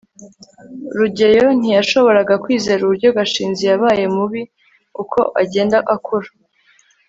rugeyo ntiyashoboraga kwizera uburyo gashinzi yabaye mubi uko agenda akura